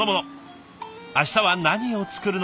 明日は何を作るのか？